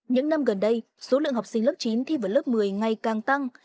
những năm gần đây số lượng học sinh lớp chín thi vào lớp một mươi ngày càng tăng